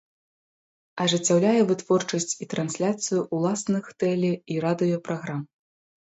Ажыццяўляе вытворчасць і трансляцыю ўласных тэле- і радыёпраграм.